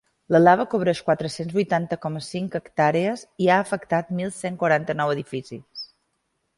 La lava cobreix quatre-cents vuitanta coma cinc hectàrees i ha afectat mil cent quaranta-nou edificis.